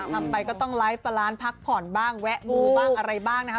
ทำไปก็ต้องไลฟ์สลานซ์พักผ่อนบ้างแวะมูบ้างอะไรบ้างนะคะ